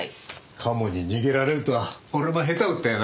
カモに逃げられるとは俺も下手打ったよな。